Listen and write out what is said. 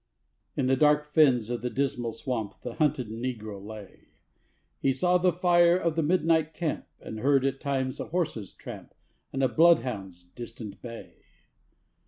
In dark fens of the Dismal Swamp The hunted Negro lay; He saw the fire of the midnight camp, And heard at times a horse's tramp And a bloodhound's distant bay.